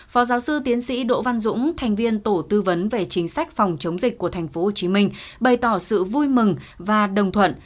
phó giáo sư tiến sĩ đỗ văn dũng thành viên tổ tư vấn về chính sách phòng chống dịch của tp hcm bày tỏ sự vui mừng và đồng thuận